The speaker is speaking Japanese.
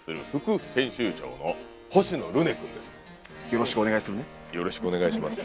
よろしくお願いします。